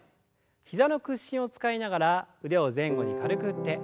膝の屈伸を使いながら腕を前後に軽く振って。